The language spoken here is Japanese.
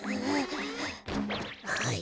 はい。